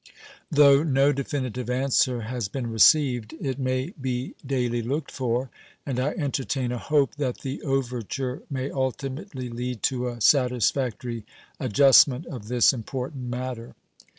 Though no definitive answer has been received, it may be daily looked for, and I entertain a hope that the overture may ultimately lead to a satisfactory adjustment of this important matter.